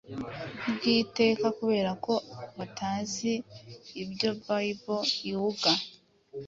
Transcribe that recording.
bw’iteka. Kubera ko batazi ibyo bible iuga.